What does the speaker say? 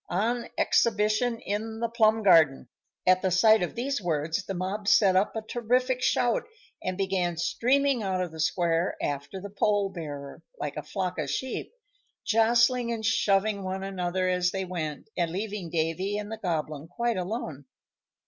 ON EXHIBITION IN THE PLUM GARDEN!" At the sight of these words the mob set up a terrific shout, and began streaming out of the square after the pole bearer, like a flock of sheep, jostling and shoving one another as they went, and leaving Davy and the Goblin quite alone.